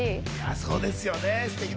そうですよね。